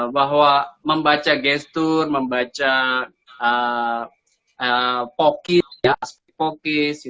bahwa membaca gestur membaca pokis kemudian membaca perbal message lah ya yang disampaikan oleh pak jokowi